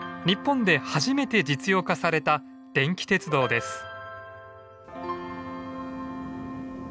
日本で初めて実用化された電気鉄道です。